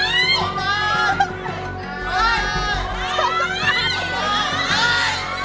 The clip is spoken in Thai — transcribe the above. ร้องได้เลย